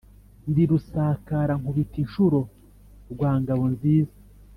Ndi Rusakara nkubita inshuro rwa Ngabo nziza,